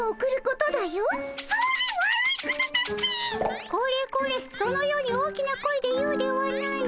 これこれそのように大きな声で言うではない。